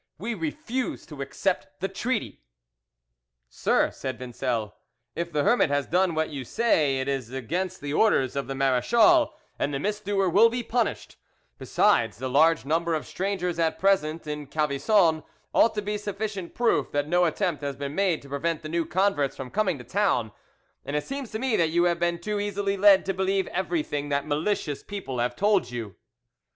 We refuse to accept the treaty." "Sir," said Vincel, "if the 'Hermit' has done what you say, it is against the orders of the marachal, and the misdoer will be punished; besides, the large number of strangers at present in Calvisson ought to be sufficient proof that no attempt has been made to prevent the new converts from coming to the town, and it seems to me that you have been too easily led to believe everything that malicious people have told you."